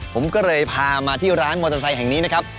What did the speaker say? ผมก็เลยพามาที่ร้านมอเตอร์ไซค์แห่งนี้นะครับ